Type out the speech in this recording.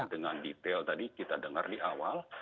dengan detail tadi kita dengar di awal